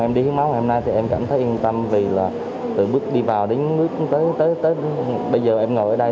khi em đi hiến máu hôm nay thì em cảm thấy yên tâm vì từ bước đi vào đến bước tới bây giờ em ngồi ở đây